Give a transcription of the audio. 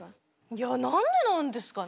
いや何でなんですかね？